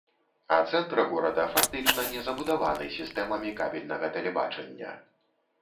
А цэнтр горада фактычна не забудаваны сістэмамі кабельнага тэлебачання.